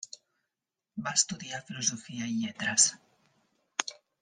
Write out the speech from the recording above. Va estudiar filosofia i lletres.